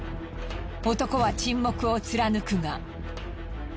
男は沈黙を貫くが。